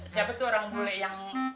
siapa tuh orang bule yang